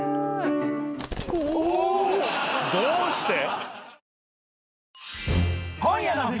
どうして？